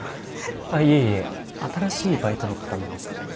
いえいえ新しいバイトの方なんですか？